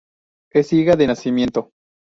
Es ciega de nacimiento.